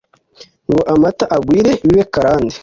Ngo amata agwire bibe karande